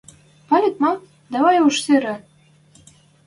«Пӓлет ма? Давай уж сирӹ